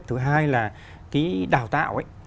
thứ hai là cái đào tạo ấy